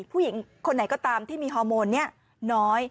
ผู้หญิงคนไหนก็ตามที่มีฮอร์โมนน้อย